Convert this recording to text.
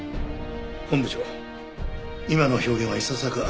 本部長今の表現はいささか不適切かと。